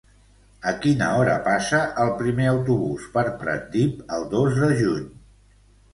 A quina hora passa el primer autobús per Pratdip el dos de juny?